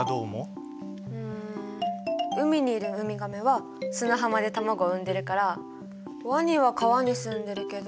うん海にいるウミガメは砂浜で卵を産んでるからワニは川にすんでるけど○？